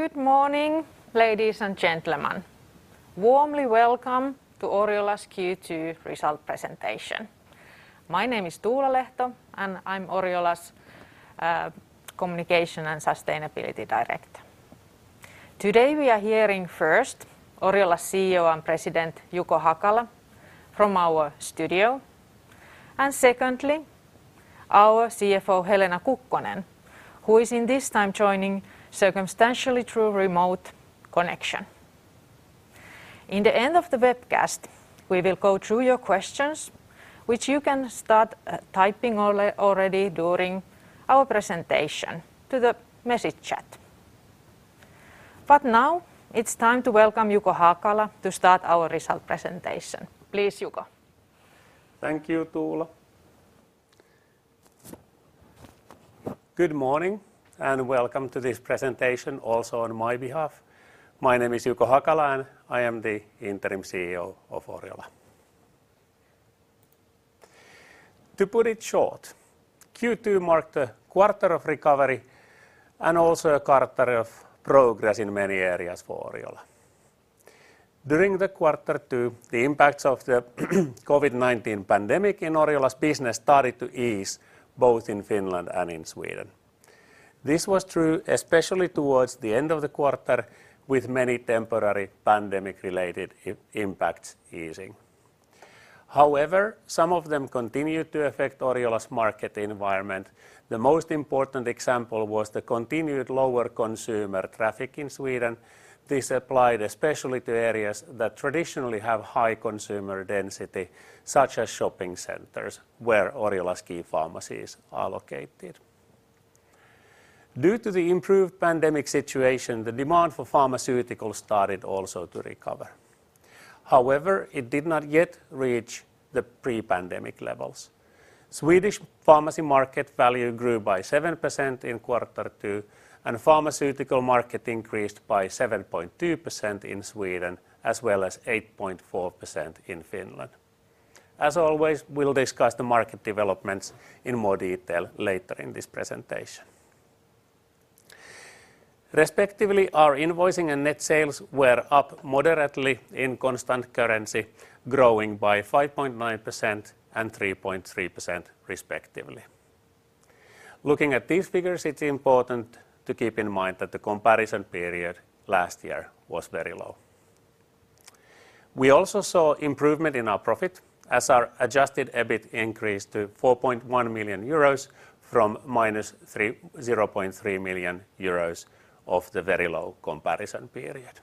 Good morning, ladies and gentlemen. Warmly welcome to Oriola's Q2 result presentation. My name is Tuula Lehto, and I'm Oriola's Communication and Sustainability Director. Today, we are hearing first Oriola CEO and President Juko Hakala from our studio, and secondly, our CFO, Helena Kukkonen, who is in this time joining circumstantially through remote connection. In the end of the webcast, we will go through your questions, which you can start typing already during our presentation to the message chat. Now it's time to welcome Juko Hakala to start our result presentation. Please, Juko. Thank you, Tuula. Good morning and welcome to this presentation also on my behalf. My name is Juko Hakala, and I am the interim CEO of Oriola. To put it short, Q2 marked a quarter of recovery and also a quarter of progress in many areas for Oriola. During the quarter two, the impacts of the COVID-19 pandemic in Oriola's business started to ease both in Finland and in Sweden. This was true especially towards the end of the quarter with many temporary pandemic related impacts easing. Some of them continued to affect Oriola's market environment. The most important example was the continued lower consumer traffic in Sweden. This applied especially to areas that traditionally have high consumer density, such as shopping centers, where Oriola's key pharmacies are located. Due to the improved pandemic situation, the demand for pharmaceuticals started also to recover. However, it did not yet reach the pre-pandemic levels. Swedish pharmacy market value grew by 7% in quarter two, pharmaceutical market increased by 7.2% in Sweden, as well as 8.4% in Finland. As always, we'll discuss the market developments in more detail later in this presentation. Respectively, our invoicing and net sales were up moderately in constant currency, growing by 5.9% and 3.3% respectively. Looking at these figures, it's important to keep in mind that the comparison period last year was very low. We also saw improvement in our profit as our adjusted EBIT increased to 4.1 million euros from -0.3 million euros of the very low comparison period.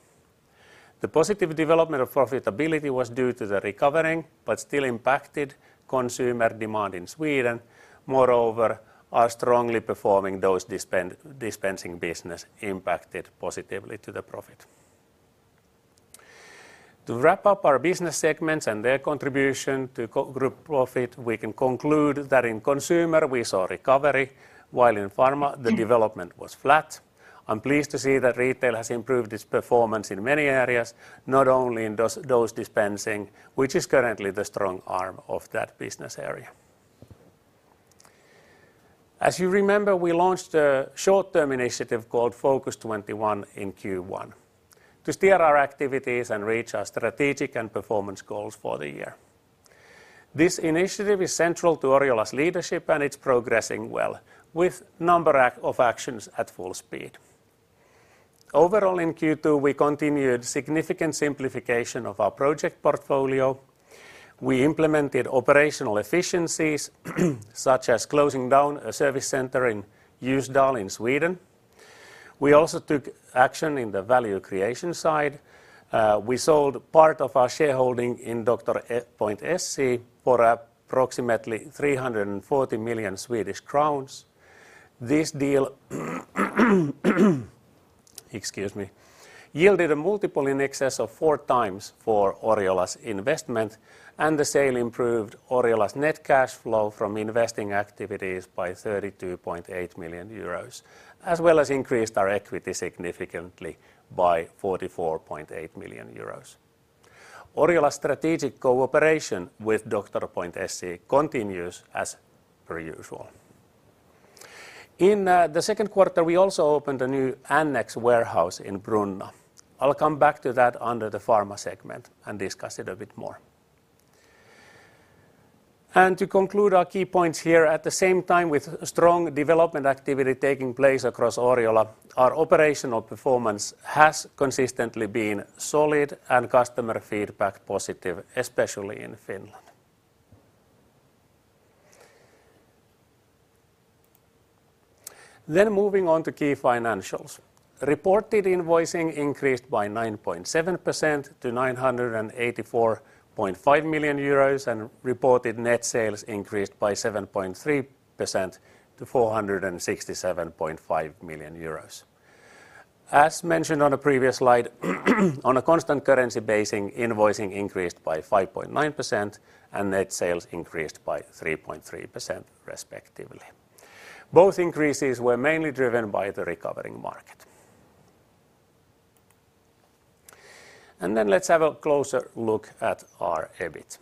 The positive development of profitability was due to the recovering but still impacted consumer demand in Sweden. Moreover, our strongly performing dose dispensing business impacted positively to the profit. To wrap up our business segments and their contribution to group profit, we can conclude that in consumer we saw recovery while in pharma the development was flat. I'm pleased to see that retail has improved its performance in many areas, not only in dose dispensing, which is currently the strong arm of that business area. As you remember, we launched a short-term initiative called Focus21 in Q1 to steer our activities and reach our strategic and performance goals for the year. This initiative is central to Oriola's leadership, and it's progressing well with number of actions at full speed. Overall, in Q2 we continued significant simplification of our project portfolio. We implemented operational efficiencies such as closing down a service center in Ljusdal in Sweden. We also took action in the value creation side. We sold part of our shareholding in Doktor.se for approximately 340 million Swedish crowns. This deal excuse me, yielded a multiple in excess of 4x for Oriola's investment, and the sale improved Oriola's net cash flow from investing activities by 32.8 million euros, as well as increased our equity significantly by 44.8 million euros. Oriola's strategic cooperation with Doktor.se continues as per usual. In the second quarter, we also opened a new annex warehouse in Brunna. I'll come back to that under the pharma segment and discuss it a bit more. To conclude our key points here, at the same time, with strong development activity taking place across Oriola, our operational performance has consistently been solid and customer feedback positive, especially in Finland. Moving on to key financials. Reported invoicing increased by 9.7% to 984.5 million euros. Reported net sales increased by 7.3% to 467.5 million euros. As mentioned on a previous slide, on a constant currency basis, invoicing increased by 5.9% and net sales increased by 3.3% respectively. Both increases were mainly driven by the recovering market. Let's have a closer look at our EBIT.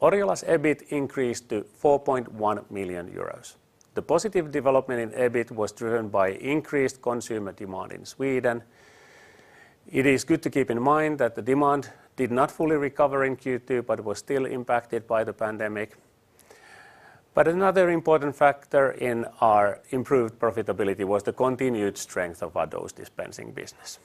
Oriola's EBIT increased to 4.1 million euros. The positive development in EBIT was driven by increased consumer demand in Sweden. It is good to keep in mind that the demand did not fully recover in Q2, but was still impacted by the pandemic. Another important factor in our improved profitability was the continued strength of our dose dispensing business.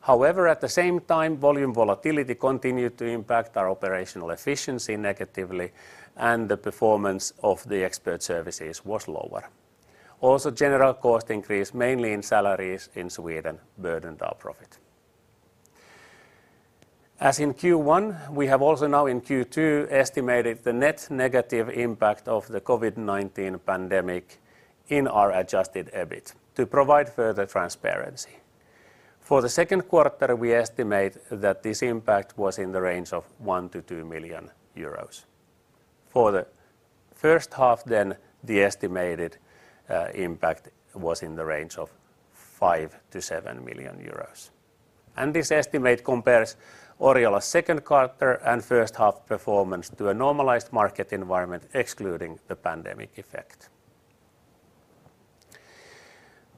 However, at the same time, volume volatility continued to impact our operational efficiency negatively, and the performance of the expert services was lower. General cost increase, mainly in salaries in Sweden, burdened our profit. As in Q1, we have also now in Q2 estimated the net negative impact of the COVID-19 pandemic in our adjusted EBIT to provide further transparency. For the second quarter, we estimate that this impact was in the range of 1 million-2 million euros. For the first half then, the estimated impact was in the range of 5 million-7 million euros. This estimate compares Oriola's second quarter and first half performance to a normalized market environment excluding the pandemic effect.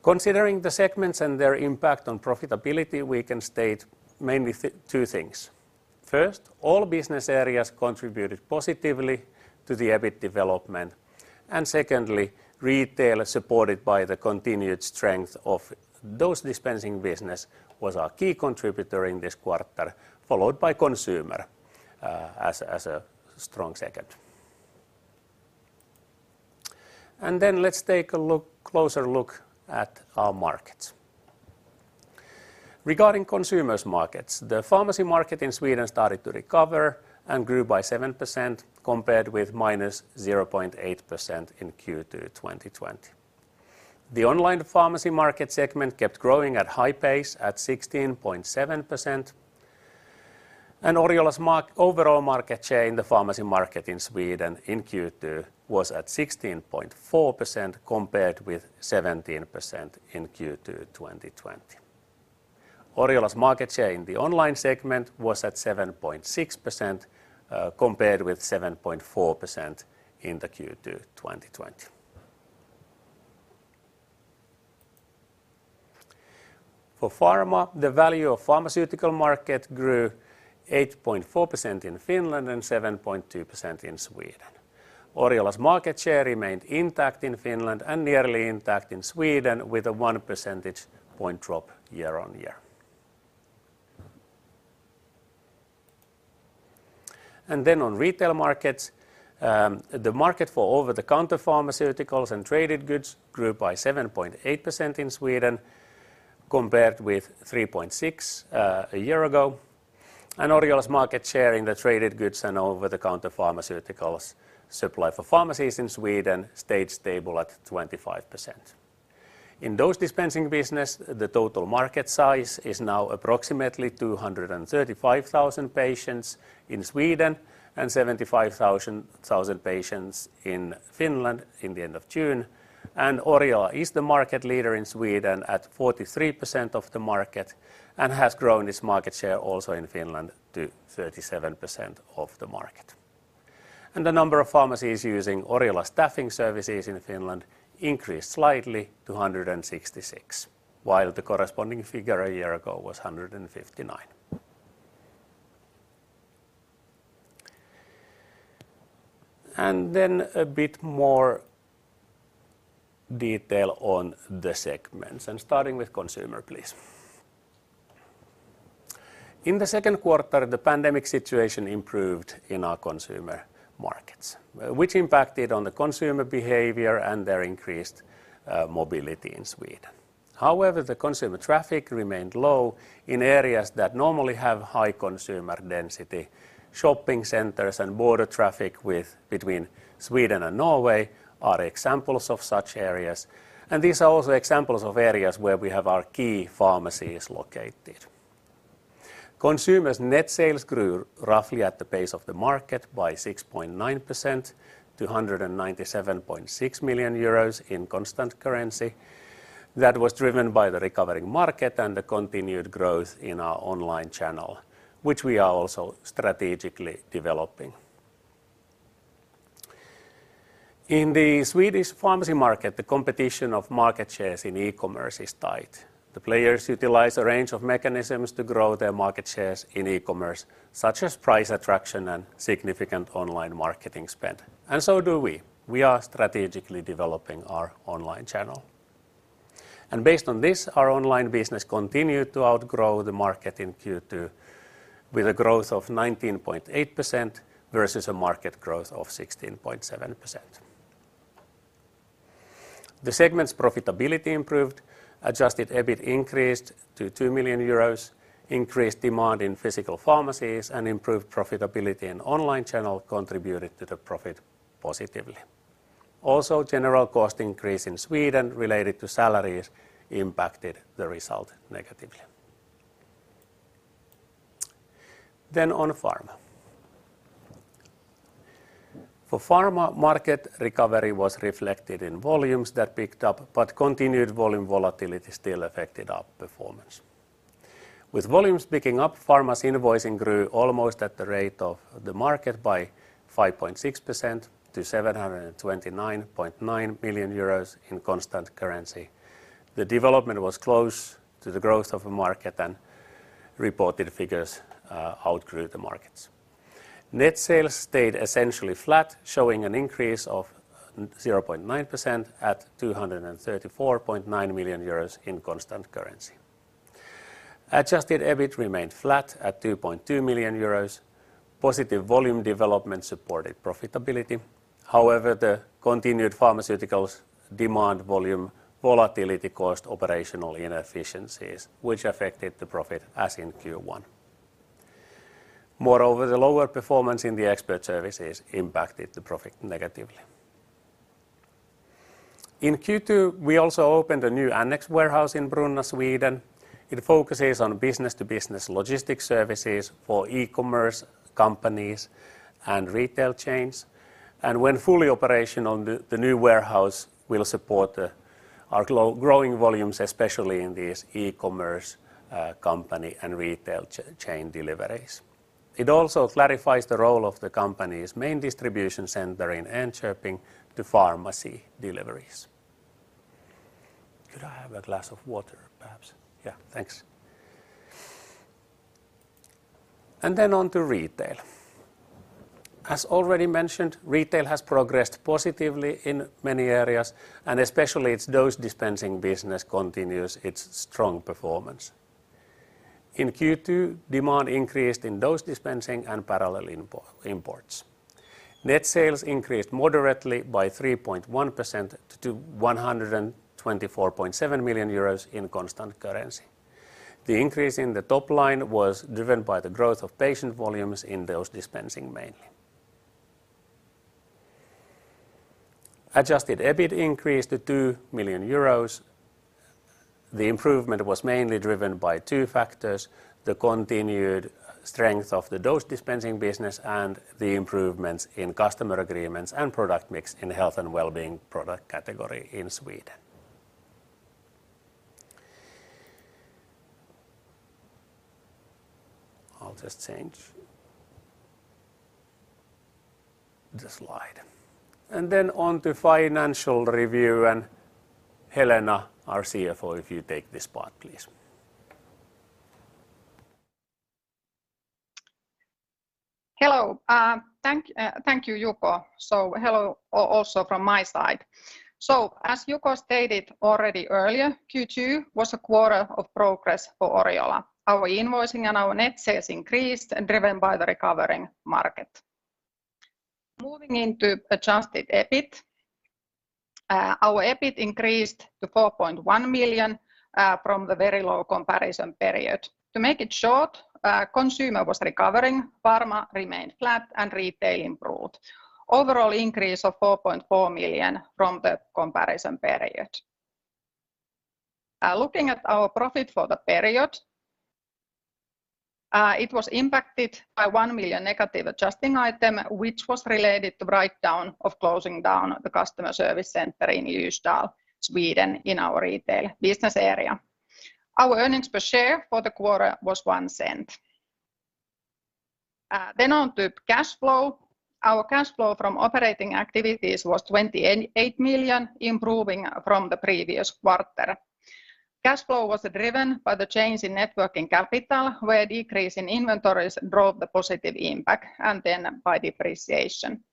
Considering the segments and their impact on profitability, we can state mainly two things. First, all business areas contributed positively to the EBIT development. Secondly, retail, supported by the continued strength of dose dispensing business, was our key contributor in this quarter, followed by consumer as a strong second. Let's take a closer look at our markets. Regarding consumer markets, the pharmacy market in Sweden started to recover and grew by 7% compared with minus 0.8% in Q2 2020. The online pharmacy market segment kept growing at high pace at 16.7%. Oriola's overall market share in the pharmacy market in Sweden in Q2 was at 16.4% compared with 17% in Q2 2020. Oriola's market share in the online segment was at 7.6%, compared with 7.4% in the Q2 2020. Pharma, the value of pharmaceutical market grew 8.4% in Finland and 7.2% in Sweden. Oriola's market share remained intact in Finland and nearly intact in Sweden with a 1 percentage point drop year-on-year. On retail markets, the market for over-the-counter pharmaceuticals and traded goods grew by 7.8% in Sweden, compared with 3.6% a year ago. Oriola's market share in the traded goods and over-the-counter pharmaceuticals supply for pharmacies in Sweden stayed stable at 25%. In dose dispensing business, the total market size is now approximately 235,000 patients in Sweden and 75,000 patients in Finland in the end of June. Oriola is the market leader in Sweden at 43% of the market and has grown its market share also in Finland to 37% of the market. The number of pharmacies using Oriola staffing services in Finland increased slightly to 166, while the corresponding figure a year ago was 159. A bit more detail on the segments, starting with consumer, please. In the second quarter, the pandemic situation improved in our consumer markets, which impacted on the consumer behavior and their increased mobility in Sweden. However, the consumer traffic remained low in areas that normally have high consumer density. Shopping centers and border traffic between Sweden and Norway are examples of such areas, and these are also examples of areas where we have our key pharmacies located. Consumers net sales grew roughly at the pace of the market by 6.9% to 197.6 million euros in constant currency. That was driven by the recovering market and the continued growth in our online channel, which we are also strategically developing. In the Swedish pharmacy market, the competition of market shares in e-commerce is tight. The players utilize a range of mechanisms to grow their market shares in e-commerce, such as price attraction and significant online marketing spend, so do we. We are strategically developing our online channel. Based on this, our online business continued to outgrow the market in Q2 with a growth of 19.8% versus a market growth of 16.7%. The segment's profitability improved, adjusted EBIT increased to 2 million euros, increased demand in physical pharmacies, and improved profitability in online channel contributed to the profit positively. General cost increase in Sweden related to salaries impacted the result negatively. For pharma market, recovery was reflected in volumes that picked up, continued volume volatility still affected our performance. With volumes picking up, pharma's invoicing grew almost at the rate of the market by 5.6% to EUR 729.9 million in constant currency. The development was close to the growth of the market, reported figures outgrew the markets. Net sales stayed essentially flat, showing an increase of 0.9% at 234.9 million euros in constant currency. Adjusted EBIT remained flat at 2.2 million euros. Positive volume development supported profitability. The continued pharmaceuticals demand volume volatility caused operational inefficiencies, which affected the profit as in Q1. Moreover, the lower performance in the expert services impacted the profit negatively. In Q2, we also opened a new annex warehouse in Brunna, Sweden. It focuses on business-to-business logistics services for e-commerce companies and retail chains. When fully operational, the new warehouse will support our growing volumes, especially in these e-commerce company and retail chain deliveries. It also clarifies the role of the company's main distribution center in Enköping to pharmacy deliveries. Could I have a glass of water, perhaps? Yeah. Thanks. On to retail. As already mentioned, retail has progressed positively in many areas, and especially its dose dispensing business continues its strong performance. In Q2, demand increased in dose dispensing and parallel imports. Net sales increased moderately by 3.1% to 124.7 million euros in constant currency. The increase in the top line was driven by the growth of patient volumes in dose dispensing mainly. Adjusted EBIT increased to 2 million euros. The improvement was mainly driven by two factors: The continued strength of the dose dispensing business and the improvements in customer agreements and product mix in health and wellbeing product category in Sweden. I'll just change the slide. On to financial review, and Helena, our CFO, if you take this part, please. Hello. Thank you, Juko. Hello also from my side. As Juko stated already earlier, Q2 was a quarter of progress for Oriola. Our invoicing and our net sales increased and driven by the recovering market. Moving into adjusted EBIT. Our EBIT increased to 4.1 million from the very low comparison period. To make it short, consumer was recovering, pharma remained flat, and retail improved. Overall increase of 4.4 million from the comparison period. Looking at our profit for the period, it was impacted by 1 million negative adjusting item, which was related to breakdown of closing down the customer service center in Ljusdal, Sweden, in our retail business area. Our earnings per share for the quarter was 0.01. On to cash flow. Our cash flow from operating activities was 28 million, improving from the previous quarter. Cash flow was driven by the change in net working capital, where decrease in inventories drove the positive impact, and then by depreciation.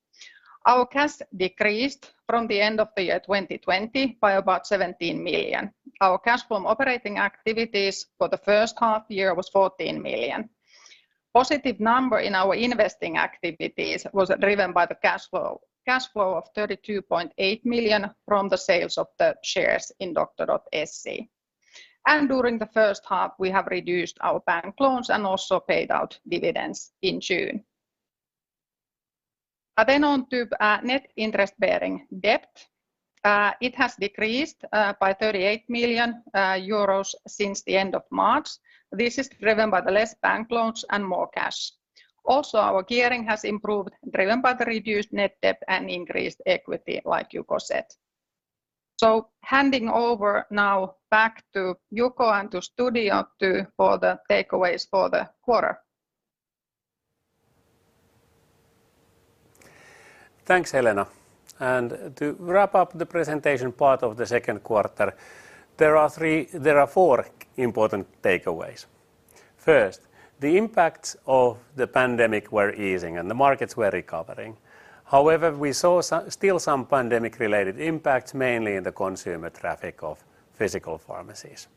Our cash decreased from the end of the year 2020 by about 17 million. Our cash from operating activities for the first half year was 14 million. Positive number in our investing activities was driven by the cash flow of 32.8 million from the sales of the shares in Doktor.se. During the first half, we have reduced our bank loans and also paid out dividends in June. On to net interest-bearing debt. It has decreased by 38 million euros since the end of March. This is driven by the less bank loans and more cash. Our gearing has improved driven by the reduced net debt and increased equity, like Juko said. Handing over now back to Juko and to studio to follow the takeaways for the quarter. Thanks, Helena. To wrap up the presentation part of the second quarter, there are four important takeaways. First, the impacts of the pandemic were easing, and the markets were recovering. However, we saw still some pandemic-related impacts, mainly in the consumer traffic of physical pharmacies.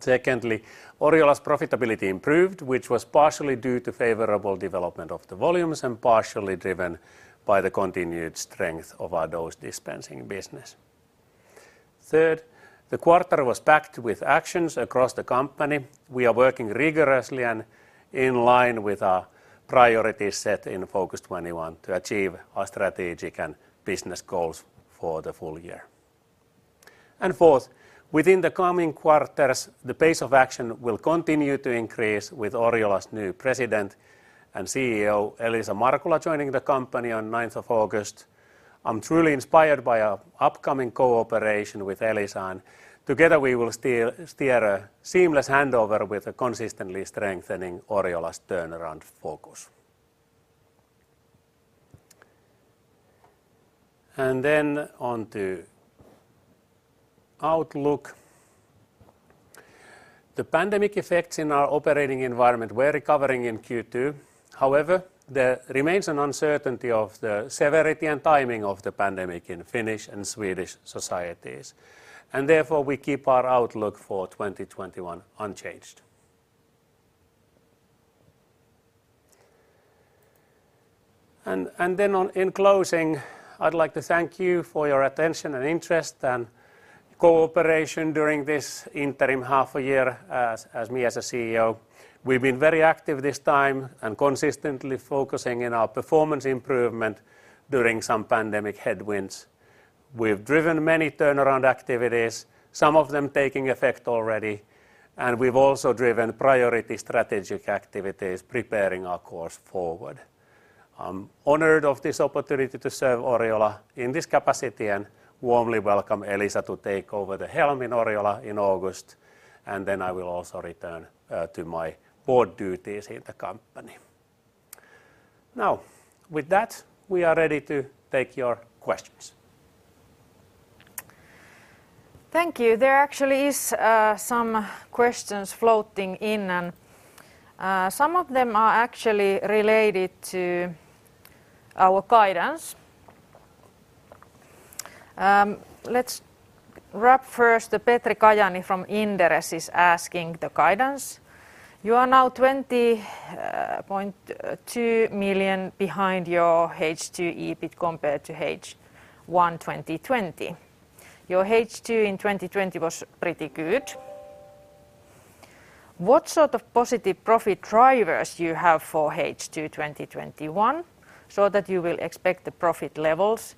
Secondly, Oriola's profitability improved, which was partially due to favorable development of the volumes and partially driven by the continued strength of our dose dispensing business. Third, the quarter was packed with actions across the company. We are working rigorously and in line with our priorities set in Focus21 to achieve our strategic and business goals for the full year. Fourth, within the coming quarters, the pace of action will continue to increase with Oriola's new President and CEO, Elisa Markula, joining the company on the 9th of August. I'm truly inspired by our upcoming cooperation with Elisa, and together we will steer a seamless handover with a consistently strengthening Oriola's turnaround focus. On to outlook. The pandemic effects in our operating environment were recovering in Q2. However, there remains an uncertainty of the severity and timing of the pandemic in Finnish and Swedish societies. Therefore, we keep our outlook for 2021 unchanged. In closing, I'd like to thank you for your attention, and interest, and cooperation during this interim half a year with me as the CEO. We've been very active this time and consistently focusing on our performance improvement during some pandemic headwinds. We've driven many turnaround activities, some of them taking effect already, and we've also driven priority strategic activities preparing our course forward. I'm honored of this opportunity to serve Oriola in this capacity and warmly welcome Elisa to take over the helm in Oriola in August, and then I will also return to my board duties in the company. Now, with that, we are ready to take your questions. Thank you. There actually are some questions floating in, and some of them are actually related to our guidance. Let's wrap first, Petri Kajaani from Inderes is asking the guidance. You are now 20.2 million behind your H2 EBIT compared to H1 2020. Your H2 in 2020 was pretty good. What sort of positive profit drivers you have for H2 2021 so that you will expect the profit levels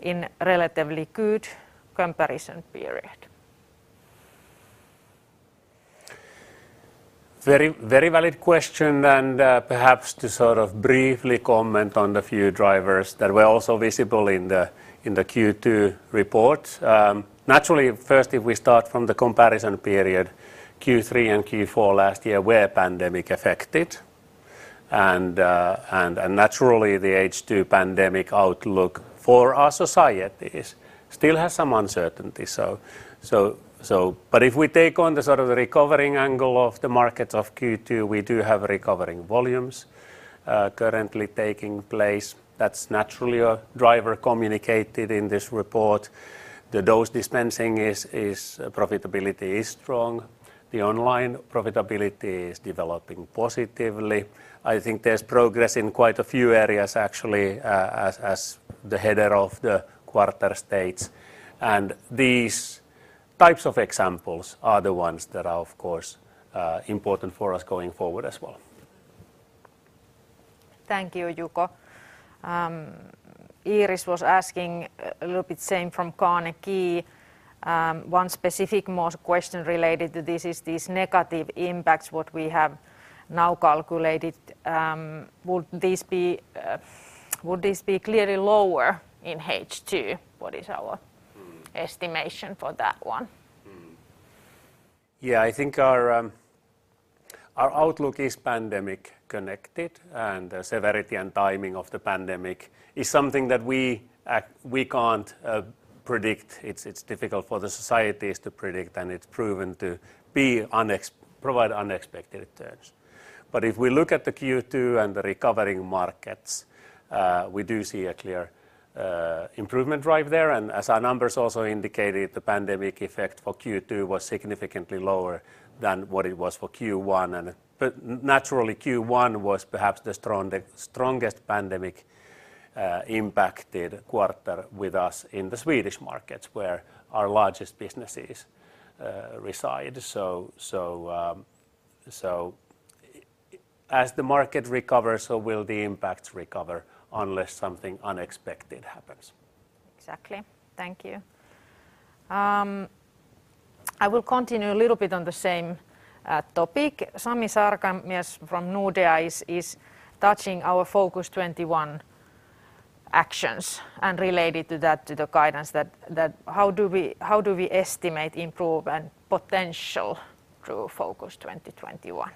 in a relatively good comparison period? Very valid question. Perhaps to briefly comment on the few drivers that were also visible in the Q2 report. Naturally, first, if we start from the comparison period, Q3 and Q4 last year were pandemic affected, and naturally, the H2 pandemic outlook for our societies still has some uncertainty. If we take on the recovering angle of the markets of Q2, we do have recovering volumes currently taking place. That's naturally a driver communicated in this report. The dose dispensing profitability is strong. The online profitability is developing positively. I think there's progress in quite a few areas, actually, as the header of the quarter states. These types of examples are the ones that are, of course, important for us going forward as well. Thank you, Juko. Iiris was asking a little bit same from Carnegie. One specific most question related to this is these negative impacts, what we have now calculated, would this be clearly lower in H2? What is our estimation for that one? I think our outlook is pandemic connected. The severity and timing of the pandemic is something that we can't predict. It's difficult for the societies to predict, and it's proven to provide unexpected turns. If we look at the Q2 and the recovering markets, we do see a clear improvement drive there. As our numbers also indicated, the pandemic effect for Q2 was significantly lower than what it was for Q1. Naturally, Q1 was perhaps the strongest pandemic-impacted quarter with us in the Swedish markets, where our largest businesses reside. As the market recovers, so will the impacts recover unless something unexpected happens. Exactly. Thank you. I will continue a little bit on the same topic. Sami Sarkamies from Nordea is touching on our Focus21 actions and related to that to the guidance that how do we estimate improvement potential through Focus21?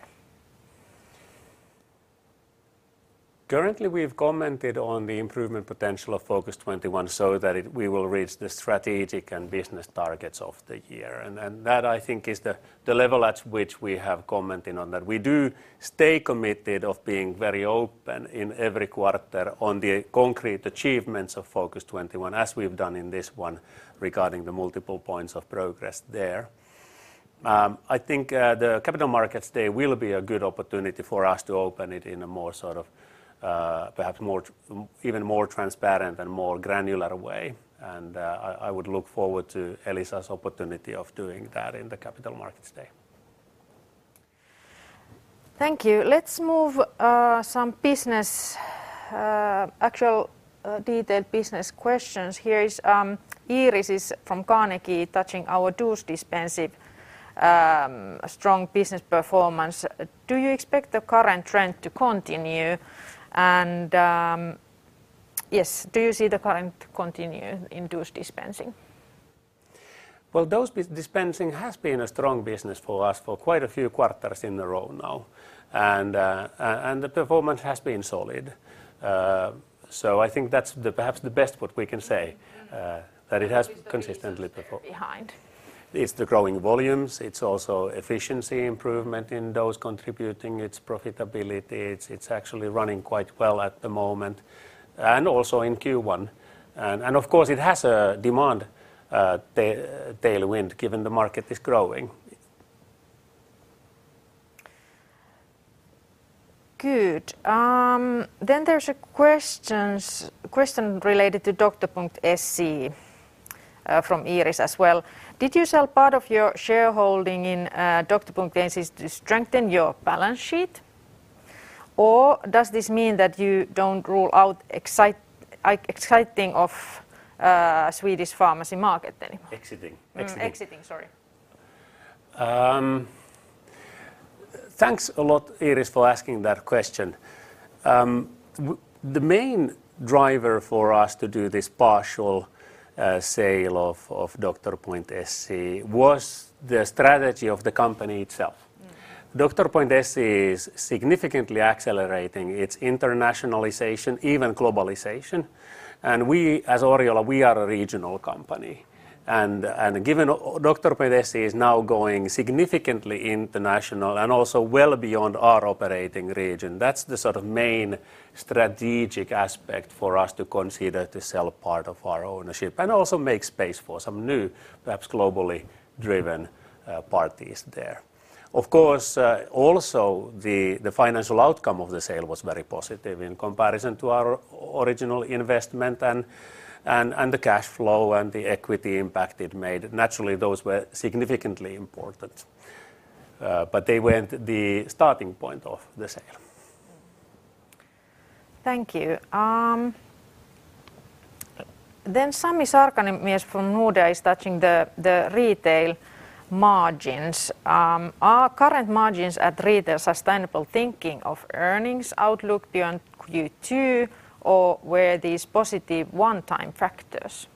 Currently, we've commented on the improvement potential of Focus21 so that we will reach the strategic and business targets of the year. That I think is the level at which we have commented on that. We do stay committed of being very open in every quarter on the concrete achievements of Focus21, as we've done in this one regarding the multiple points of progress there. I think the Capital Markets Day will be a good opportunity for us to open it in a perhaps even more transparent and more granular way. I would look forward to Elisa's opportunity of doing that in the Capital Markets Day. Thank you. Let's move to some actual detailed business questions. Here is Iiris from Carnegie touching our dose dispensing strong business performance. Do you expect the current trend to continue in dose dispensing? Well, dose dispensing has been a strong business for us for quite a few quarters in a row now, and the performance has been solid. I think that's perhaps the best what we can say that it has consistently performed. What is the reasons behind? It's the growing volumes. It's also efficiency improvement in dose contributing, its profitability. It's actually running quite well at the moment, and also in Q1. Of course it has a demand tailwind given the market is growing. Good. There's a question related to Doktor.se from Iiris as well. Did you sell part of your shareholding in Doktor.se to strengthen your balance sheet? Does this mean that you don't rule out exiting of Swedish pharmacy market anymore? Exiting. Exiting. Sorry. Thanks a lot, Iiris, for asking that question. The main driver for us to do this partial sale of Doktor.se was the strategy of the company itself. Doktor.se is significantly accelerating its internationalization, even globalization, and we as Oriola, we are a regional company. Given Doktor.se is now going significantly international and also well beyond our operating region, that's the main strategic aspect for us to consider to sell part of our ownership and also make space for some new, perhaps globally driven parties there. Of course, also the financial outcome of the sale was very positive in comparison to our original investment and the cash flow and the equity impact it made. Naturally, those were significantly important, but they weren't the starting point of the sale. Thank you. Sami Sarkamies from Nordea is touching the retail margins. Are current margins at retail sustainable thinking of earnings outlook beyond Q2, or were these positive one-time factors?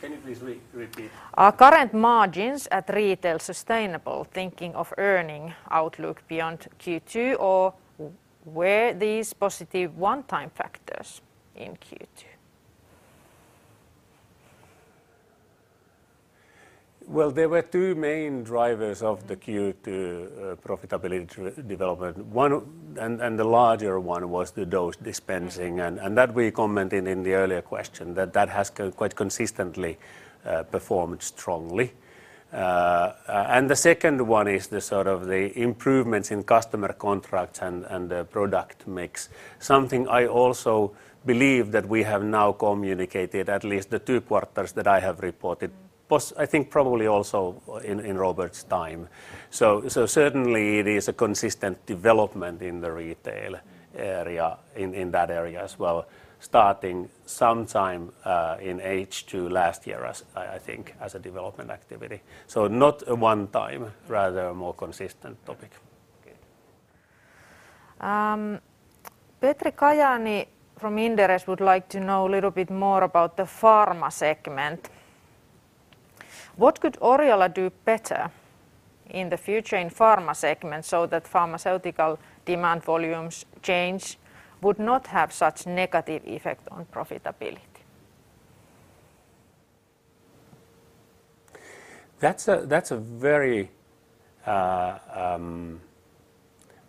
Can you please repeat? Are current margins at retail sustainable thinking of earning outlook beyond Q2, or were these positive one-time factors in Q2? Well, there were two main drivers of the Q2 profitability development. One, and the larger one was the dose dispensing, and that we commented in the earlier question that has quite consistently performed strongly. The second one is the improvements in customer contracts and the product mix. Something I also believe that we have now communicated at least the two quarters that I have reported. Plus, I think probably also in Robert's time. Certainly it is a consistent development in the retail area, in that area as well, starting sometime in H2 last year, I think as a development activity. Not a one time, rather a more consistent topic. Okay. Petri Kajaani from Inderes would like to know a little bit more about the pharma segment. What could Oriola do better in the future in pharma segment so that pharmaceutical demand volumes change would not have such negative effect on profitability? That's a very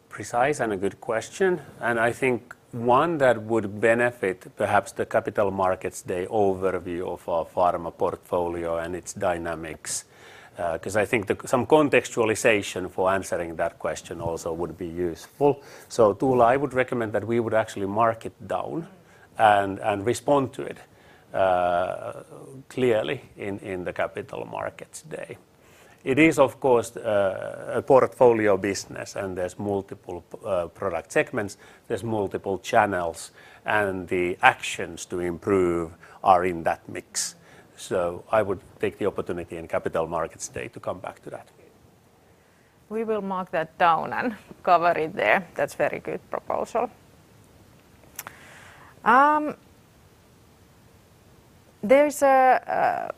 precise and a good question, and I think one that would benefit perhaps the Capital Markets Day overview of our pharma portfolio and its dynamics because I think some contextualization for answering that question also would be useful. Tuula, I would recommend that we would actually mark it down and respond to it clearly in the Capital Markets Day. It is of course a portfolio business and there's multiple product segments, there's multiple channels, and the actions to improve are in that mix. I would take the opportunity in Capital Markets Day to come back to that. We will mark that down and cover it there. That's very good proposal. There's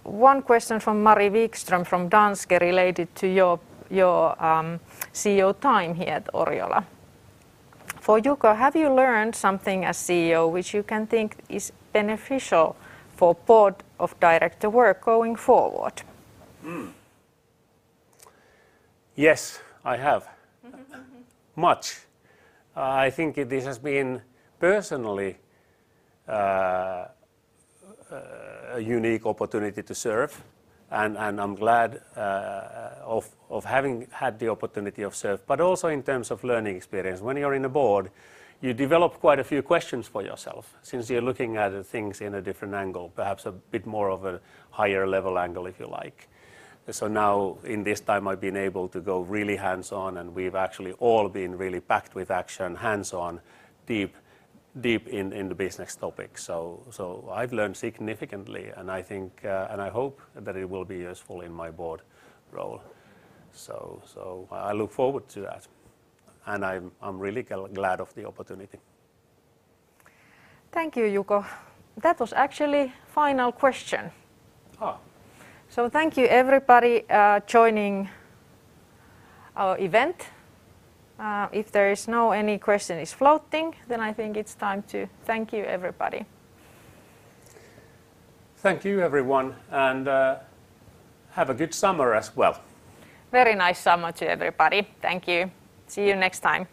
one question from Maria Wikström from Danske related to your CEO time here at Oriola. For Juko, have you learned something as CEO which you can think is beneficial for board of director work going forward? Yes, I have. Much. I think this has been personally a unique opportunity to serve and I'm glad of having had the opportunity of serve, but also in terms of learning experience. When you're in a board, you develop quite a few questions for yourself since you're looking at things in a different angle, perhaps a bit more of a higher level angle if you like. Now in this time, I've been able to go really hands-on and we've actually all been really backed with action, hands-on, deep in the business topic. I've learned significantly, and I hope that it will be useful in my board role. I look forward to that and I'm really glad of the opportunity. Thank you, Juko. That was actually final question. Thank you everybody joining our event. If there is no any question is floating, I think it's time to thank you everybody. Thank you everyone, and have a good summer as well. Very nice summer to everybody. Thank you. See you next time.